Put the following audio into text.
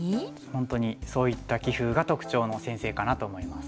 本当にそういった棋風が特徴の先生かなと思います。